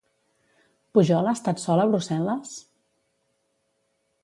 Pujol ha estat sol a Brussel·les?